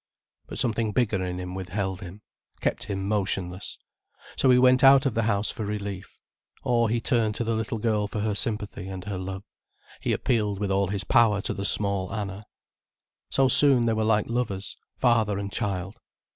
But something bigger in him withheld him, kept him motionless. So he went out of the house for relief. Or he turned to the little girl for her sympathy and her love, he appealed with all his power to the small Anna. So soon they were like lovers, father and child.